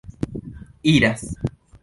iras